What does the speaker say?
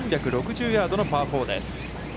３６０ヤードのパー４です。